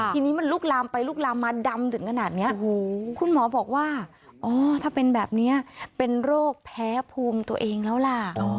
ทีนี้มันลุกลามไปลุกลามมาดำถึงขนาดนี้คุณหมอบอกว่าอ๋อถ้าเป็นแบบนี้เป็นโรคแพ้ภูมิตัวเองแล้วล่ะ